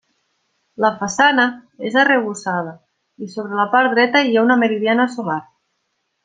La façana és arrebossada i sobre la part dreta hi ha una meridiana solar.